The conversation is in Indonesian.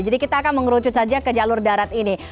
jadi kita akan mengerucut saja ke jalur darat ini